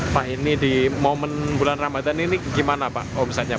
pak ini di momen bulan ramadhan ini gimana pak